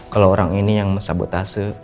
kalau orang ini yang men sabotage